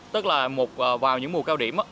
tức là vào những mùa cao điểm